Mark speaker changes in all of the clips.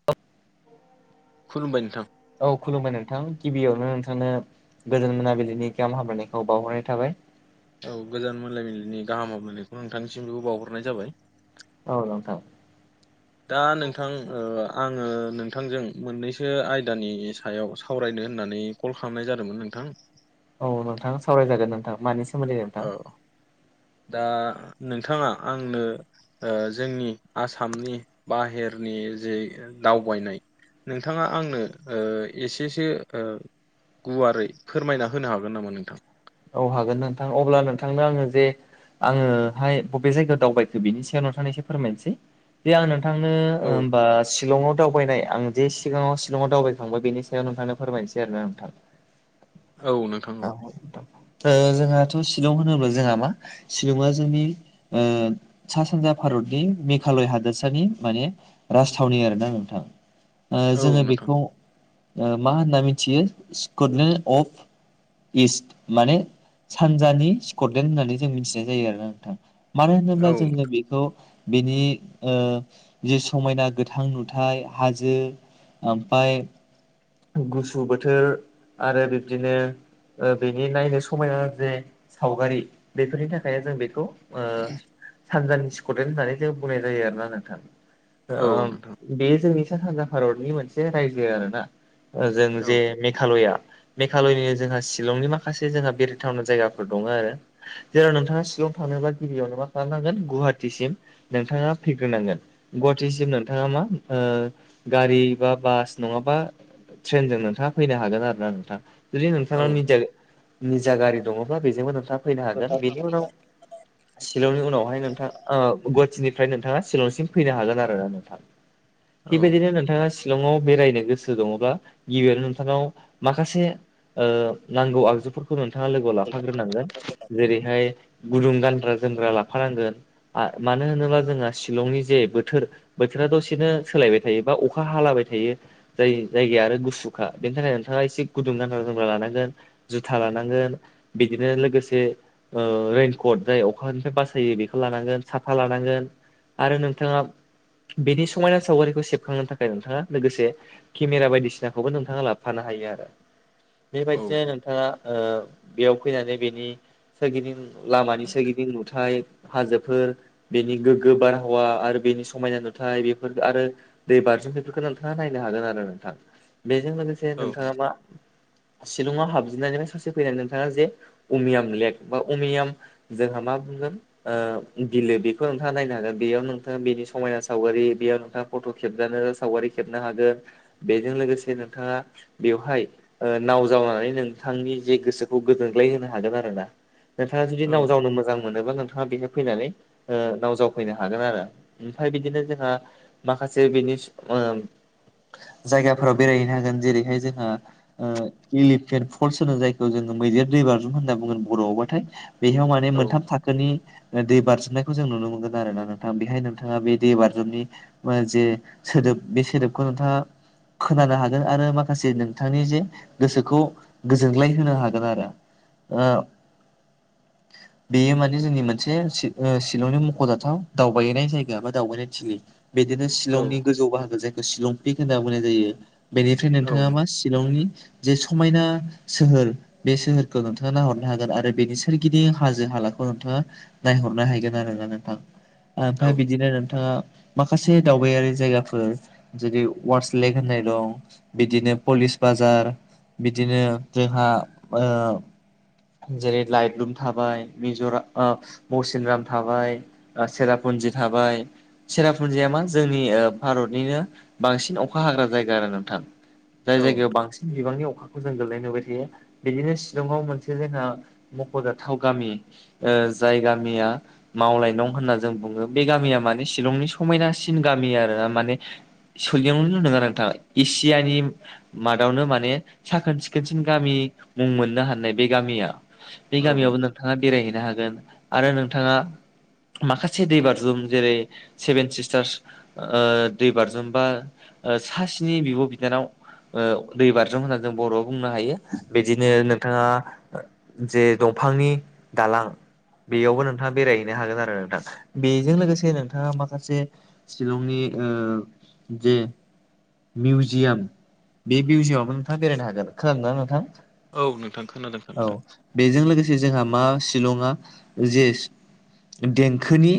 Speaker 1: [unintelligible]
Speaker 2: खुलुमबाय नोंथां
Speaker 1: औ खुलुमबाय नोंथां गिबियावनो नोंथांनो गोजोन मोनाबिलिनि गेाहाम हामलायनायखौ बावहरनाय थाबाय।
Speaker 2: औ गोजान मोनाबिलिनि गाहाम हामलायनायखौ नोंथांनिसिम बेखौ बावहरनाय जाबाय।
Speaker 1: औ नोंथां।
Speaker 2: दा नोंथां ओ आङो नोंथांजों मोननैसो आयदानि सायाव सावरायनो होननानै कल खालामनाय जादोंमोन नोंथां।
Speaker 1: औ नोंथां सावरायजागोन नोंथां मानि सा
Speaker 2: औ दा नोंथाङा आंनो ओ जोंनि आसामनि बाहेरनि जे दावबायनाय नोंथाङा आंनो ओ एसेसो ओ गुवारै फोरमायना होनो हागोन नामा नोंथां?
Speaker 1: औ हागोन नोंथां अब्ला नोंथांनो आङो जे आङोहाय बबे जायगायाव दावबायखो बिनि सायाव नोथां एससे फोरमायनोसै। दे आं नोंथांनो
Speaker 2: औ
Speaker 1: होमबा शिलङआव दावबायनाय आं जे सिगाङाव शिलङआव दावबायखांबाय बेनि सायाव नोंथांनो फोरमायसै आरो ना नोंथां।
Speaker 2: औ नोंथां
Speaker 1: औ। ओ जोंहाथ' शिलं होनोब्ला जोंहा मा शिलंआ जोंनि ओ सा सानजा भारतनि मेघालय हादोरसानि माने राजथावनि आरोना नोंथां ओ
Speaker 2: औ
Speaker 1: जोङो
Speaker 2: नोंथां
Speaker 1: बेखौ ओ मा होनना मिथियो स्कुटन अफ इस्ट माने सानजानि सिकरदेन होननानै जों मिथिनाय जायो आरोना नोंथां। मानो होनोब्ला
Speaker 2: औ
Speaker 1: जोङो बेखौ बेनि ओ जे समायना गोथां नुथाय हाजो ओमफाय गुसु बोथोर आरो बिब्दिनो ओ बेनि नायनो समायना जे सावगारि बेफोरनि थाखायनो जों बेखौ ओ सानजानि स्कडे होननानै जों बुंनाय जायो आरोना नोंथां।
Speaker 2: औ नोंथां
Speaker 1: बे जोंनि सा सानजा भारतनि मोनसे रायजो आरो ना जों
Speaker 2: औ
Speaker 1: जे मेघालया मेघालयनि जोंहा शिलंनि माखासे जोंहा बेरथावना जायगाफोर दङ आरो। जेराव नोंथाङा सिगाङाव थाङोबा गिबियावनो मा खालामनांगोन गुवाहाटिसिम नोंथाङा फैग्रोनांगोन गुवाहाटिसिम नोंथाङा मा ओ गारि बा बास नङाबा ट्रेनजों नोंथाङा फैनो हागोन आरो ना नोंथाङा। जुदि
Speaker 2: औ
Speaker 1: नोंथांनाव निजा निजा गारि दङब्ला बेजोंबो नोंथां फैनो हागोन बेनि उनाव शिलंनि उनावहाय नोंथां ओ गुवाहाटिनिफ्राय नोंथाङा शलंसिम फैनो हागोन आरो ना नोंथां। खिबायदिनो
Speaker 2: औ
Speaker 1: नथाङा सि शलंआव बेरायनो गोसो दङब्ला गिबियावनो नोंथांनाव माखासे ओ नांगौ आगजुफोरखौ नोंथाङा लोगोआव लाफाग्रोनांगोन जेरैहाय गुदुं गानग्रा जोमग्रा लाफानांगोन मानो होनोब्ला जोंहा शिलंनि जे बोथोर बोथोरा दसेनो सोलायबाय थायो बा अखा हालाबाय थायो। जाय जायगाया आरो गुसुखा बेनि थाखाय नोंथाङा एसे गुदुं गानथ्रा जोमग्रा लानांगोन। जुथा लानांगोन बिदिनो लोगोसे ओ रैइनकट जाय अखानिफ्राय बासायो बेखौ लानांगोन साथा लानांगोन आरो नोंथाङा बेनि समायना सावगारिखौ सेबखांनो थाखाय नोंथाङा लोगोसे केमेरा बायदिसिनाखौबो नोंथाङा लाबोफानो हायो आरो।
Speaker 2: [inaudible]
Speaker 1: बिदिनो नोंथाङा बेयाव फैनानै बेनि सोरगिदिं लामानि सोरगिदिं नुथाय हाजोफोर बेनि गोग्गो बारहावा आरो बेनि समायना नुथाय बेफोर आरो दै बारजुम बेफोरखौ नोंथाङा नायनो हागोन आरो नोंथां बेजों लोगोसे
Speaker 2: औ
Speaker 1: नोंथाङा मा शिलंआव हाबजेननायनिफ्राय सासे फैनानै नोंथाङा जे अमियाम लेक बा अमियाम जोंहा मा बुंगोन बिलो बेखौ नोंथाङा नायनो हागोन बेयाव नोंथाङा बेनि समायना सावगारि बेयाव नोंथाङा फट' खेबजानो सावगारि खेबनो हागोन बेजों लोगोसे नोंथाङा बेवहाय ओ नाव जावनानै नोंथांनि जे गोसोखौ गोदोनग्लाय होनो हागोन आरो ना। नोंथाङा जुदि नाव
Speaker 2: औ
Speaker 1: जाव मोजां मोनोबा नोंथाङा बेनि फैनानै नाव जावफैनो हागोन आरो। ओमफ्राय बिदिनो जोंहा माखासे बिनि जायगाफोराव बेरायहैनो हागोन जेरैहाय जोंओ एलिफेन्ट फल्स होनो जायखौ जोङो मैदेर दै बार्रुम होनना बुङोन बर'आवबाथाय बेयाव माने
Speaker 2: औ
Speaker 1: मोनथाम थाखोनि दै बारजुमनायखौ जों नुनो मोनगोन आरो ना। नोंथांआ बेहाय नोंथाङा बे दै बाज्रुमनि जे सोदोब बे सोदोबखौ नोंथाङा खोनानो हागोन। आरो माखासे नोंथांनि जे गोसोखौ गोजोनग्लाय होनो हागोन आरो।
Speaker 2: [inaudible]
Speaker 1: बेयो माने जोंनि मोनसे शिलंनि मख'जाथाव दावबायैनाय जायगा ए बा दावबायनाय थिलि। बिदिनो
Speaker 2: औ
Speaker 1: शिलंनि गोजौ बाहागो जायखौशिलं पिक होनना बुंनाय जायो। बेनिफ्राय
Speaker 2: औ
Speaker 1: नोंथाङा मा शिलंनि जे समायना सोहोर बे सोहोरखौ नोंथाङा नाहरनो हागोन। आरो बेनि सोरगिदिं हाजो हालाखौ नोंथाङा नायहरनो हायगोन आरोना नोंथां।
Speaker 2: औ
Speaker 1: ओमफ्राय बिदिनो नोंथाङा माखासे दावबायारि जायगाफोर जेरै वारस लेक होननाय दं बिदिनो पलिस बाजार बिदिनो जोंहा ओ जेरै लाइट्लुम थाबाय मसिनराम थाबाय सेरापुन्जि थाबाय, सेरापुन्जिया मा जोंनि भारतनिनो बांसिन अखा हाग्रा जायगा आरो नोंथां‌ जाय
Speaker 2: औ
Speaker 1: जायगायाव बांसिन बिबांनि अखाखौ जों गोग्लैनाय नुबाय थायो। बिदिनो शिलंआव मोनसे जोंहा मख'जाथाव गामि जाय गामिया मावलाय नं होनना जों बुङो। बे गामिया माने शिलंनि समायनासिन गामि आरो माने सोलिननो लुदों आरो नोंथाङा एसियानि मादावनो माने माने साखोन सिखोनसिन गामि मुं मोननो हानाय बे गामिया बे गामियावबो नों नोंथाङा बेरायहैनो हागोन आरो नोंथाङा माखासे दै बारजुम जेरै सेभेन सिस्टार्स दै बारजुमबा सा सनि बिब' बिनानाव दै बार्रुम होननानै जों बर'आव बुंनो हायो। बिदिनो
Speaker 2: औ
Speaker 1: नोंथाङा जे दंफांनि दालां बेयावबो नोंथाङा बेरायहैनो हागोन आरो नोंथां। बेजों लोगोसे नोंथाङा माखासे शिलंनि जे मिउजियाम मिउजियामावनो नोंथांआ बेरायनो हागोन। खोनादोंना नोंथां?
Speaker 2: औ नोंथां खोनादों
Speaker 1: औ
Speaker 2: खोनादों।
Speaker 1: बेजों लोगोसे जोंहा मा शिलंआ जे देंखोनि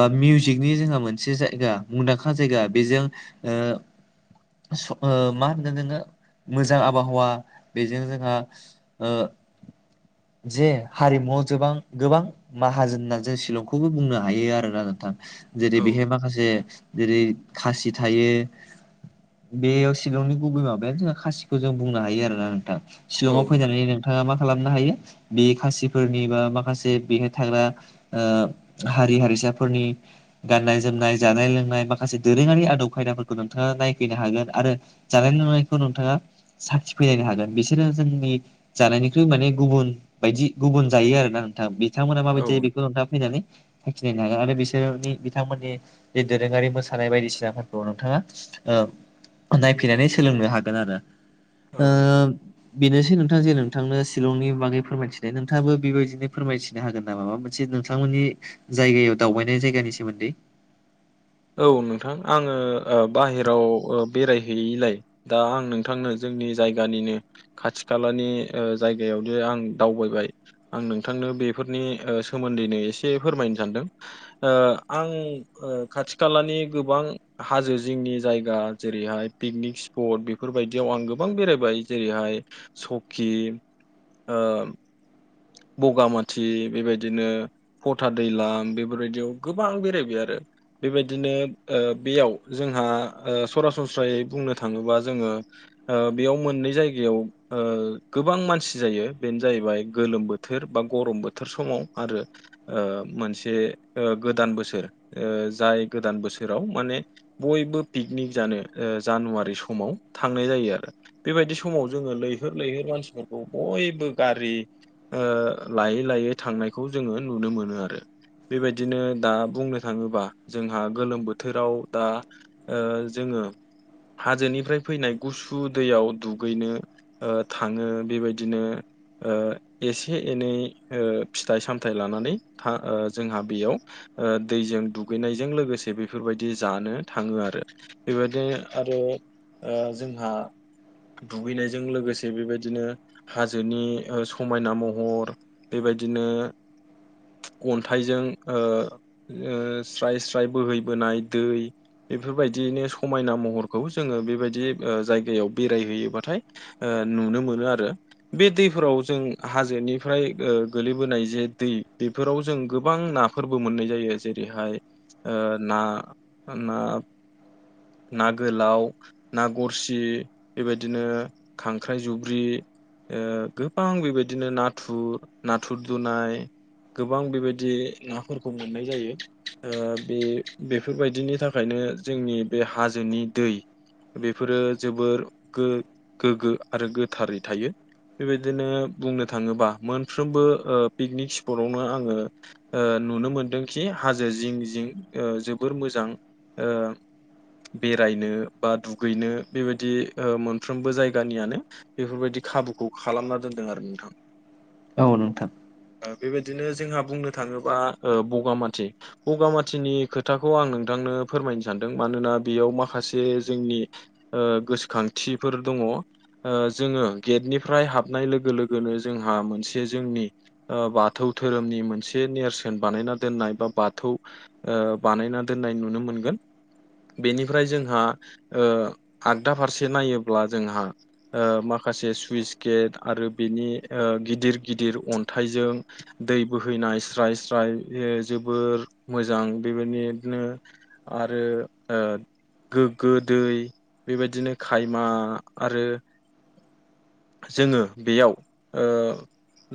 Speaker 1: बा मिउजिकनि जोंहा मोनसे जायगा मुंदांखा जायगा बेजों ओ स मा होनगोन जोङो मोजां आबहावा बेजों जोंहा ओ जे हारिमुआव जोबां गोबां माहाजोन होननानै जों शिलंखौबो बुंनो हायो आरोना नोंथां जेरै
Speaker 2: औ
Speaker 1: बेहाय माखासे जेरै खासि थायो बेयाव शिलंनि गुबै माबायानो जोंहा खासिखौ जों बुंनो हायो आरोना नोंथां।
Speaker 2: औ
Speaker 1: शिलंआव
Speaker 2: नोंथां
Speaker 1: फैनानै नो नोंथाङा मा खालामनो हायो बे खासिफोरनि बा माखासे बेहाय थाग्रा हारि हारिसाफोरनि गाननाय जोमनाय जानाय लोंनाय माखासे दोरोङारि आदब खायदाफोरखौ नोंथाङा नायफैनो हागोन। आरो जानाय लोंनायखौ नोंथाङा साखि फैलायनो हागोन बिसोरो जोंनि जानायनिख्रुइ माने गुबुन बायदि गुबुन जायो आरोना नोंथां बे बिथांमोना माबायदि
Speaker 2: औ
Speaker 1: जायो बेखौ नोंथाङा फैनानै [unintelligible] आरो बिसोरनि बिथांमोननि जे दोरोङारि मोसानाय बायदिसिनाफोरखौ नोंथाङा ओ नायफैनानै सोलोंनो हागोन आरो।
Speaker 2: औ
Speaker 1: ओ
Speaker 2: नोंथां
Speaker 1: बेनोसै नोंथां जे नोंथांनो शिलंनि बागै फोरमायथिनाय। नोंथाङाबो बेबायदिनो फोरमायथि नो हागोन नाम मा मोनसे नोंथांमोननि जायगायाव दावबायनाय जायगानि सोमोन्दै?
Speaker 2: औ नोंथां। आङो बाहेराव बेरायहैयिलाय दा आं नोंथांनो जोंनि जायगानिनो खाथि खालानि ओ जायगायावनोे आं दावबायबाय। आं नोंथांनो बेफोरनि ओ सोमोन्दैनो एसे फोरमायनो सानदों। ओ आं ओ खाथि खालानि गोबां हाजो जिंनि जायगा जेरैहाय पिकनिक स्पर्ट बेफोरबायदियाव आं गोबां बेरायबाय जेरैहाय सकि ओ बगामाथि बेबायदिनो फथा दैलाम बेफोरबायदियाव गोबां बेरायबाय आरो। बेबायदिनो ओ बेयाव जोंहा ओ सरासनस्रायै बुंनो थाङोबा जोङो ओ बेयाव मोननै जायगायाव ओ गोबां मानसि जायो बेनो जाहैबाय गोलोम बो थोर बा गरम बोथोर समाव आरो। ओ मोनसे गोदान बोसोर ओ जाय गोदान बोसोराव माने बयबो पिकनिक जानो ओ जानुवारि समाव थांनाय जायो आरो। बेबायदि समाव जोङो लैहोर लैहोर मानसिफोरखौ बयबो गारि ओ लायै लायै थांनायखौ जोङो नुनो मोनो आरो। बेबायदिनो दा बुंनो थाङोबा जोंहा गोलोम बोथोराव दा ओ जोङो हाजोनिफ्राय फैनाय गुसु दैयाव दुगैनो ओ थाङो बेबायदिनो ओ एसे एनै ओ फिथाइ सामथाइ लानानै था ओ जोंहा बेयाव ओ दैजों दुगैनायजों लोगोसे बेफोरबायदि जानो थाङो आरो। बेबायदिनो आरो ओ जोंहा दुगैनायजों लोगोसे बेबायदिनो हाजोनि ओ समायना महर बेबायदिनो अन्थाइजों ओ ओ स्राय स्राय बोहैबोनाय दै बेफोरबायदिनो समायना महरखौ जोङो बेबायदि जायगायाव बेरायहैयोबाथाय ओ नुनो मोनो आरो बे दैफोराव जों हाजोनिफ्राय ओ गोलैबोनाय जे दै बेफोराव जों गोबां नाफोरबो मोननाय जायो जे रैहाय ओ ना ना ना गोलाव ना गरसि बेबायदिनो खांख्राइ जुब्रि ओ गोबां बेबायदिनो नाथुर, नाथुर दुनाय गोबां बेबायदि नाफोरखौ मोननाय जायो ओ बे बेफोरबायदिनि थाखायनो जोंनि बे हाजोनि दै बेफोरो जोबोर गो गोग्गो आरो गोथारै थायो। बेबायदिनो बुंनो थाङोबा मोनफ्रोमबो ओ पिकनिक स्पटआवनो आङो ओ नुनो मोनदोंखि हाजो जिं जिं ओ जोबोर मोजां ओ बेरायनो बा दुगैनो बेबायदि ओ मोनफ्रोमबो जायगानियानो बेफोरबायदि खाबुखौ खालामना दोनदों आरो नोंथां।
Speaker 1: औ नोंथां।
Speaker 2: ओ बेबायदिनो जोंहा बुंनो थाङोबा ओ बगामाथि। बगामाथिनि खोथाखौ आं नोंथांनो फोरमायनो सानदों मानोना बेयाव माखासे जोंनि ओ गोसोखांथिफोर दङ ओ जोङो गेटनिफ्राय हाबनाय लो लोगोनो जोंहा मोनसे जोंनि आ बाथौ धोरोमनि मोनसे नेरसोन बानायना दोननाय बा बाथौ ओ बानायना दोननाय नुनो मोनगोन बेनिफ्राय जोंहा ओ आगदा फारसे नायोब्ला जोंहा ओ माखासे सुइस गेट आरो बेनि ओ गिदिर गिदिर अन्थाइजों दै बोहैनाय स्राय स्राय ए जोबोर मोजां बेबोनिदनो आरो ओ गोग्गो दै बेबायदिनो खायमा आरो जोङो बेयाव ओ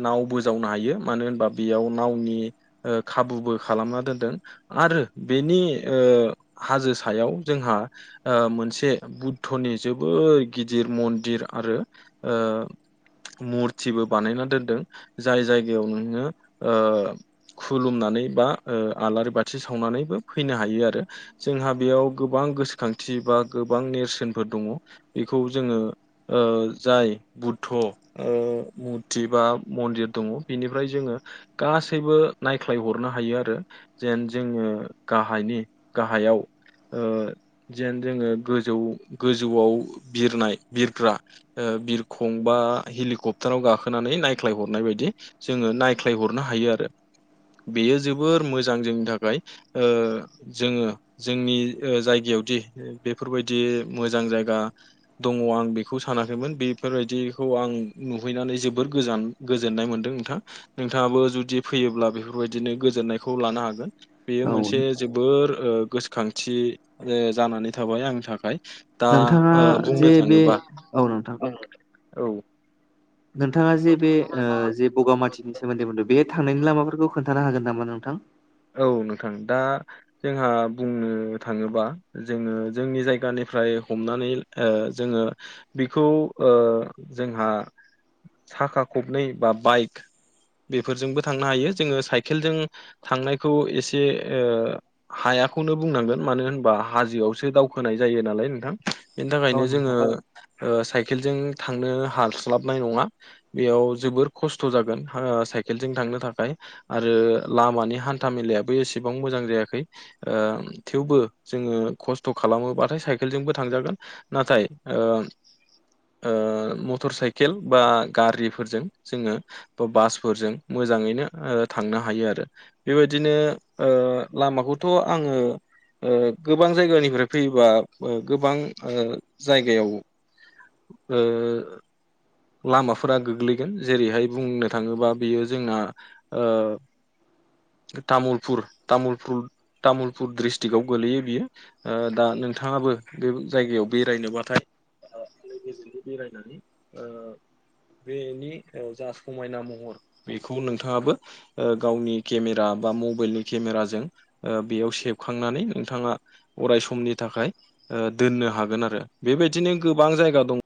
Speaker 2: नावबो जावनो हायो मानो होनबा बेयाव नावनि ओ खाबुबो खालामना दोनदों। आरो बेनि ओ हाजो सायाव जोंहा आ मोनसे बुद्धनि जोबोद गिदिर मन्दिर आरो ओ मुरथिबो बानायना दोनदों जाय जायगायाव नोङो ओ खुलुमनानै बा ओ आलारि बाथि सावनानैबो फैनो हायो आरो। जोंहा बेयाव गोबां गोसोखांथि बा गोबां नेरसोनफोर दङ बेखौ जोङो ओ जाय बुद थ' ओ मुरथि बा मन्दिर दङ बेनिफ्राय जोङो गासैबो नायख्लायहरनो हायो आरो। जेन जोङो गाहायनि गाहायाव ओ जेन जोङो गोजौ गोजौआव बिरनाय बिरग्रा ओ बिरखु गंबा हेलिकप्टाराव गाखोनानै नायख्लायहरनाय बायदि जोङो नायख्लायहरनो हायो आरो। बेयो जोबोर मोजां जोंनि थाखाय ओ जोङो जोंनि ओ जायगायावदि बेफोरबायदि मोजां जायगा दङ आं बेखौ सानाखैमोन बिब फोरबायदिखौ आं नुहैनानै जोबोर गोजान गोजोननाय मोनदों नोंथां। नोंथाङाबो जुदि फैयोब्ला बेफोरबायदिनो गोजोननायखौ लानो हागोन। बेयो
Speaker 1: औ
Speaker 2: मोनसे जोबोर ओ गोसोखांथि जानानै थाबाय आंनि थाखाय। दा
Speaker 1: नोंथाङा
Speaker 2: ओ बुंनो
Speaker 1: जे बे
Speaker 2: थाङोबा
Speaker 1: औ नोंथां।
Speaker 2: औ औ।
Speaker 1: नोंथाङा जे बे ओ जे बगामाथिनि सोमोन्दै बुंदों बे थांनायनि लामाफोरखौ खोन्थानो हागोन नामा नोंथां?
Speaker 2: औ नोंथां दा जोंहा बुंनो थाङोबा जोङो जोंनि जायगानिफ्राय हमनानै ओ जोङो बिखौ ओ जोंहा साखा खबनै बा बाइक बेफोरजोंबो थांनो हायो जोङो साइकेलजों थांनायखौ एसे ओ हायाखौनो बुंनांगोन मानो होनबा हाजोआवसो दावखोनाय जायो नालाय नोंथां बेनि
Speaker 1: औ
Speaker 2: थाखायनो
Speaker 1: नोंथां
Speaker 2: जोङो ओ साइकेलजों थांनो हास्लाबनाय नङा। बेयाव जोबोर खस्थ' जागोन हा साइकेल जों थांनो थाखाय आरो लामानि हान्था मेलायाबो एसेबां मोजां जायाखै। ओ थेवबो जोङो खस्थ' खालामोबाथाय साइकेलजोंबो थांजागोन। नाथाय ओ ओ मटर साइकेल बा गारिफोरजों जोङो बासफोरजों मोजाङैनो ओ थांनो हायो आरो। बेबायदिनो ओ लामाखौथ' आङो ओ गोबां जायगानिफ्राय फैयोबा ओ गोबां ओ जायगायाव ओ लामाफोरा गोग्लैगोन जेरैहाय बुंनो थाङोबा बियो जोंना ओ तामुलपुर तामुल तामुलपुर दिस्ट्रिक्टआव गोलैयो बियो। ओ दा नोंथाङाबो बे जायगायाव बेरायनोबाथाय लोगोजोंनो बेरायनानै ओ बेनि ओ जा समायना महर बेखौ नोंथाङाबो ओ गावनि केमेरा बा मबाइलनि केमेराजों ओ बेयाव सेबखांनानै नोंथाङा अराय समनि थाखाय ओ दोननो हागोन आरो बेबायदिनो गोबां जायगा दं